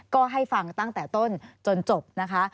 ก็ให้ฟังตั้งแต่ต้นจนจบนะคะ